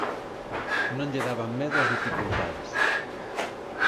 Non lle daban medo as dificultades.